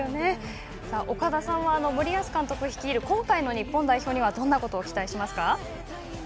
岡田さんは森保監督率いる今回の日本代表にはどんなことを期待しますか？